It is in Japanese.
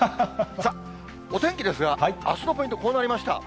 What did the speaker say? さあ、お天気ですが、あすのポイント、こうなりました。